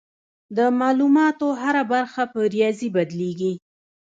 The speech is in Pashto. د معلوماتو هره برخه په ریاضي بدلېږي.